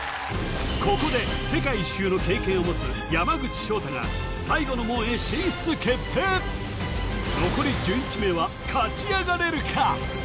ここで世界一周の経験を持つ山口尚太が残り１１名は勝ち上がれるか？